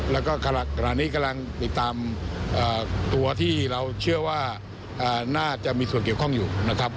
แล้วก็ทุกปีนรักอีกต่อส่วนต่างเหลือว่าน่าจะมีส่วนเกี่ยวข้องอยู่